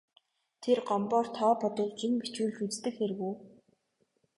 Тэр Гомбоор тоо бодуулж, юм бичүүлж үздэг хэрэг үү.